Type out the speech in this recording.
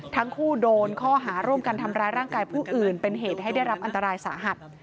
ทั้งคู่โดนข้อหาร่วมกันทำร้ายร่างกายผู้อื่นเป็นเหตุให้ได้รับอันตรายสาหัส